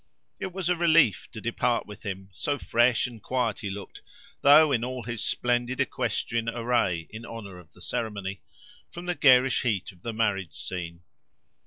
It was a relief to depart with him—so fresh and quiet he looked, though in all his splendid equestrian array in honour of the ceremony—from the garish heat of the marriage scene.